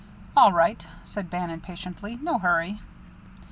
"All right," said Bannon, patiently; "no hurry."